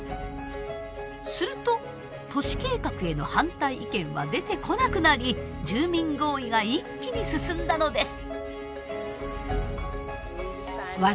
すると都市計画への反対意見は出てこなくなり住民合意が一気に進んだのです。